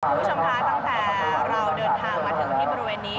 คุณผู้ชมคะตั้งแต่เราเดินทางมาถึงที่บริเวณนี้